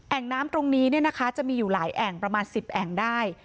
แอ่งน้ำตรงนี้เนี่ยนะคะจะมีอยู่หลายแอ่งประมาณสิบแอ่งได้